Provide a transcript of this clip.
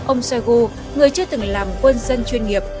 ông shoigu người chưa từng làm quân dân chuyên nghiệp